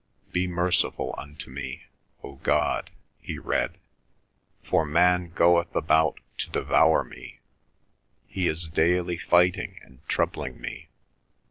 "Be merciful unto me, O God," he read, "for man goeth about to devour me: he is daily fighting and troubling me.